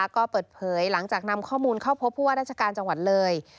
ก็เปิดเผยหลังจากนำข้อมูลเข้าพบผู้ว่าราชการจังหวัดเลย